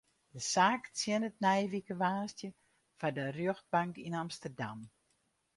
De saak tsjinnet nije wike woansdei foar de rjochtbank yn Amsterdam.